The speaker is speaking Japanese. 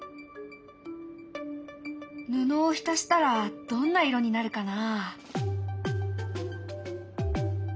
布を浸したらどんな色になるかな？